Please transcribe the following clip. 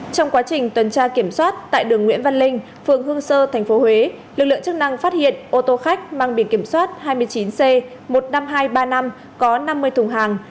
trong quá trình tuần tra kiểm soát tại đường nguyễn văn linh phường hương sơ tp huế lực lượng chức năng phát hiện ô tô khách mang biển kiểm soát hai mươi chín c một mươi năm nghìn hai trăm ba mươi năm có năm mươi thùng hàng